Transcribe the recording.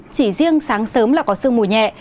chỉ riêng sáng sớm là có sương mùi nhẹ